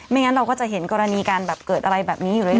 งั้นเราก็จะเห็นกรณีการแบบเกิดอะไรแบบนี้อยู่เรื